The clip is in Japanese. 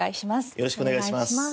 よろしくお願いします。